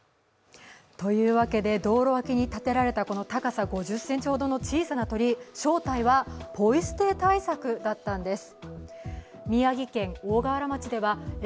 道路脇に立てられた高さ５０ｃｍほどの小さな鳥居、正体はポイ捨て対策だったんです。